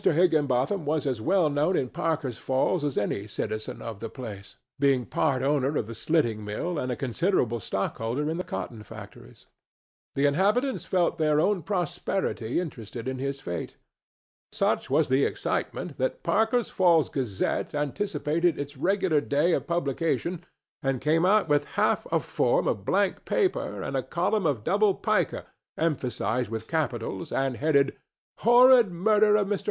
Higginbotham was as well known at Parker's Falls as any citizen of the place, being part owner of the slitting mill and a considerable stockholder in the cotton factories. The inhabitants felt their own prosperity interested in his fate. Such was the excitement that the Parker's Falls Gazette anticipated its regular day of publication, and came out with half a form of blank paper and a column of double pica emphasized with capitals and headed "HORRID MURDER OF MR.